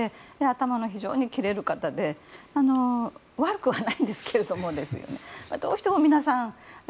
頭の非常に切れる方で悪くはないんですけどねどうしても皆さん